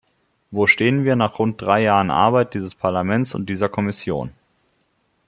Wo stehen wir nach rund drei Jahren Arbeit dieses Parlaments und dieser Kommission?